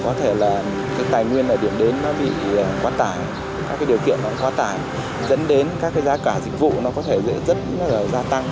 có thể là cái tài nguyên và điểm đến nó bị quá tải các cái điều kiện nó quá tải dẫn đến các cái giá cả dịch vụ nó có thể rất là gia tăng